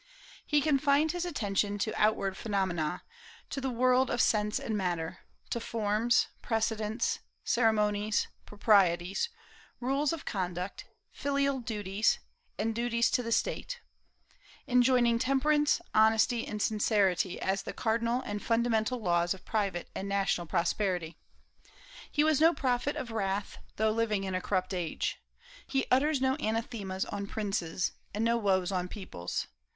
He confined his attention to outward phenomena, to the world of sense and matter; to forms, precedents, ceremonies, proprieties, rules of conduct, filial duties, and duties to the State; enjoining temperance, honesty, and sincerity as the cardinal and fundamental laws of private and national prosperity. He was no prophet of wrath, though living in a corrupt age. He utters no anathemas on princes, and no woes on peoples.